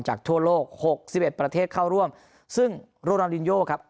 ทั่วโลกหกสิบเอ็ดประเทศเข้าร่วมซึ่งโรรอลินโยครับ